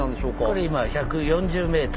これ今１４０ｍ。